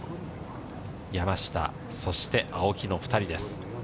山下、そして青木の２人です。